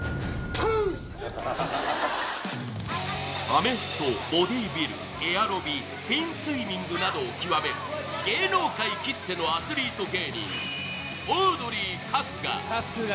アメフト、ボティービル、エアロビ、フィンスイミングなどを極める芸能界きってのアスリート芸人オードリー・春日。